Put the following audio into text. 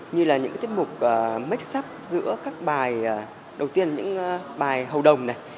như là những tiết mục make up giữa các bài đầu tiên những bài hầu đồng này